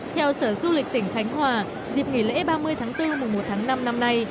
theo sở du lịch tỉnh khánh hòa dịp nghỉ lễ ba mươi tháng bốn mùa một tháng năm năm nay